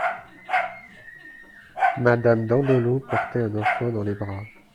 Madame Dandelot portait un enfant dans les bras.